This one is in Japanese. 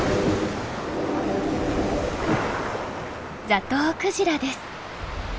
ザトウクジラです。